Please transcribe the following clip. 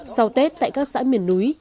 sau tết tại các xã miền núi